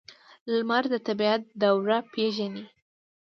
لمر د طبیعت دوره پیژني.